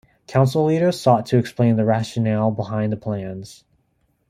Council leaders sought to explain the rationale behind the plans.